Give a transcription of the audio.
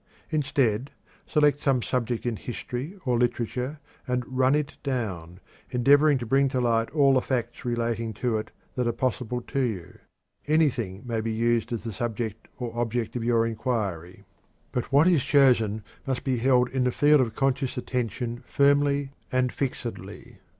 Instead, select some subject in history or literature, and "run it down," endeavoring to bring to light all the facts relating to it that are possible to you. Anything may be used as the subject or object of your inquiry; but what is chosen must be held in the field of conscious attention firmly and fixedly.